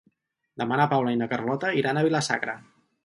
Demà na Paula i na Carlota iran a Vila-sacra.